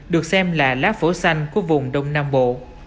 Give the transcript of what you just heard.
được xem là lá phổi xanh của vùng đông nam bộ